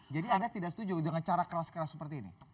jadi anda tidak setuju dengan cara keras keras seperti ini